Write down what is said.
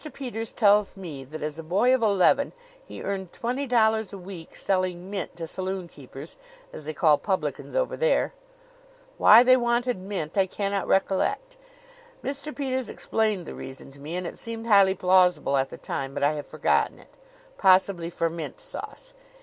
Peters tells me that as a boy of eleven he earned twenty dollars a week selling mint to saloon keepers, as they call publicans over there. Why they wanted mint I cannot recollect. Mr. Peters explained the reason to me and it seemed highly plausible at the time; but I have forgotten it. Possibly for mint sauce.